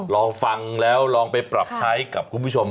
ลองฟังแล้วลองไปปรับใช้กับคุณผู้ชม